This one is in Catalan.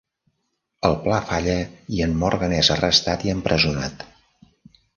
El pla falla i en Morgan es arrestat i empresonat.